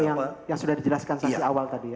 yang sudah dijelaskan saksi awal tadi ya